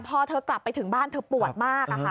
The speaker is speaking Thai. พอเธอกลับไปถึงบ้านเธอปวดมาก